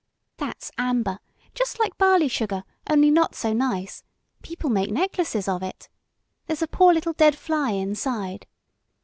That's amber, just like barley sugar, only not so nice; people make necklaces of it. There's a poor little dead fly inside.